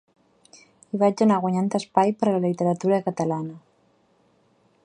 I vaig anar guanyant espai per a la literatura catalana.